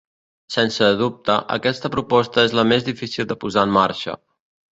Sense dubte, aquesta proposta és la més difícil de posar en marxa.